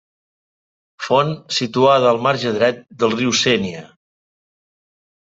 Font situada al marge dret del riu Sénia.